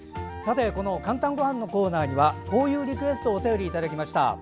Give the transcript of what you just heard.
「かんたんごはん」のコーナーではこういうリクエストをお便りいただきました。